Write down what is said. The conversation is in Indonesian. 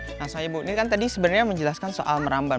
oke nah soh ibu ini kan tadi sebenarnya menjelaskan soal meramban